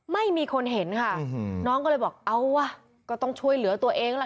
ไม่มีคนเห็นค่ะน้องก็เลยบอกเอาว่ะก็ต้องช่วยเหลือตัวเองล่ะ